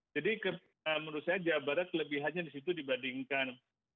jadi menurut saya jawabannya kelebihannya di situ dibandingkan